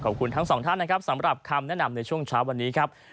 ขอบคุณทั้งสองท่านนะครับสำหรับคำแนะนำในช่วงเช้าวันนี้ครับ